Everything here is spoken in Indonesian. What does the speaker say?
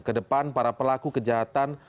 kedepan para pelaku kejahatan